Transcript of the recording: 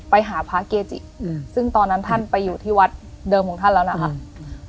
ไปหาพระเกจิอืมซึ่งตอนนั้นท่านไปอยู่ที่วัดเดิมของท่านแล้วนะคะ